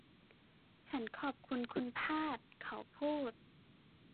ฉันขอบคุณคุณพลาด เขาพูด